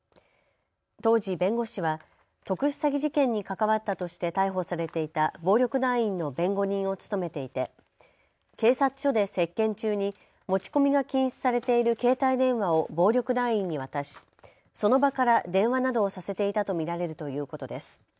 当時、弁護士は特殊詐欺事件に関わったとして逮捕されていた暴力団員の弁護人を務めていて警察署で接見中に持ち込みが禁止されている携帯電話を暴力団員に渡しその場から電話などをさせていたと見られるということです。